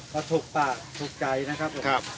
ก็ถูกปากถูกใจนะครับผม